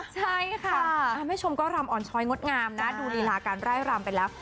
ใช่ค่ะแม่ชมก็รำอ่อนชอยงดงามนะดูลีลาการไล่รำไปแล้ว